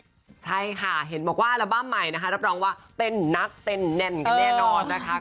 ใช่ค่ะเห็นบอกว่าอัลบั้มใหม่นะคะรับรองว่าเต้นนักเต้นแน่นกันแน่นอนนะคะ